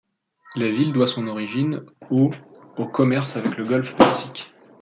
La ville doit son origine aux au commerce avec le Golfe Persique.